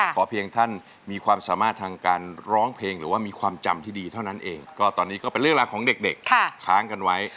เพียงท่านมีความสามารถทางการร้องเพลงหรือว่ามีความจำที่ดีเท่านั้นเองก็ตอนนี้ก็เป็นเรื่องราวของเด็กค้างกันไว้